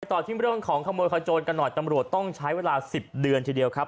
ต่อที่เรื่องของขโมยขโจนกันหน่อยตำรวจต้องใช้เวลา๑๐เดือนทีเดียวครับ